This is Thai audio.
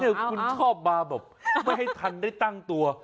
คุณชอบมาแบบไม่ให้ทันได้ตั้งตัว